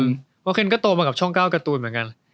เพราะเคนก็โตมากับช่อง๙การ์ตูนเหมือนกัน